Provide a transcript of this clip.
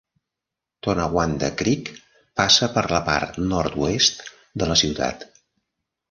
Tonawanda Creek passa per la part nord-oest de la ciutat.